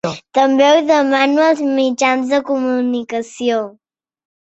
També ho demano als mitjans de comunicació.